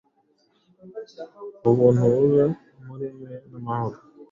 Ubuntu bube muri mwe n’amahoro,